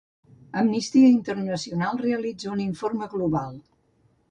Amnistia Internacional realitza un informe global